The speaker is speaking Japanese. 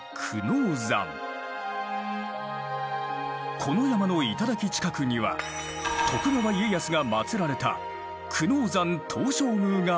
この山の頂近くには徳川家康が祀られた久能山東照宮がある。